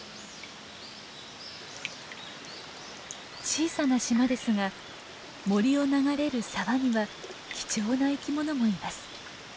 小さな島ですが森を流れる沢には貴重な生き物もいます。